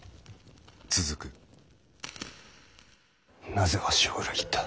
なぜわしを裏切った。